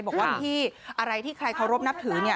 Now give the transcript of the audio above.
บอกว่าพี่อะไรที่ใครเคารพนับถือเนี่ย